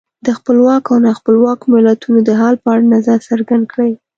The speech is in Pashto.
د خپلواکو او نا خپلواکو ملتونو د حال په اړه نظر څرګند کړئ.